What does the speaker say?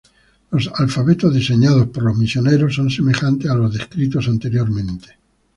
Los alfabetos diseñados por los misioneros son semejantes a los descritos anteriormente.